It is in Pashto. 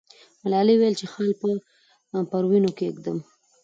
ملالۍ وویل چې خال به پر وینو کښېږدم.